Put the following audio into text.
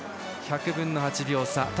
１００分の８秒差。